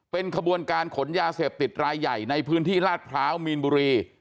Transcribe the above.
เป็นขบวนการขนยาเสพติดรายใหญ่ในพื้นที่ลาดพร้าวมีนบุรี